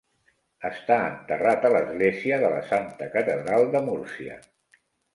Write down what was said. Està enterrat a l'Església de la Santa Catedral de Múrcia.